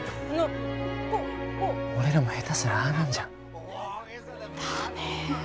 俺らも下手したらああなんじゃん。だね。